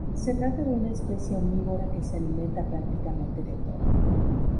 Se trata de una especie omnívora que se alimenta prácticamente de todo.